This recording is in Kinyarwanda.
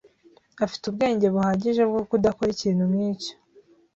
Afite ubwenge buhagije bwo kudakora ikintu nkicyo.